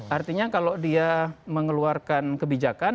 artinya kalau dia mengeluarkan kebijakan